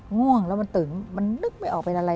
ง่วงแล้วมันตึงมันนึกไม่ออกเป็นอะไร